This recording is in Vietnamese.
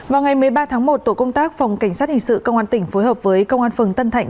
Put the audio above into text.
vào ngày một mươi ba tháng một tổ công tác phòng cảnh sát hình sự công an tỉnh phối hợp với công an phường tân thạnh